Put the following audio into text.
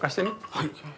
はい！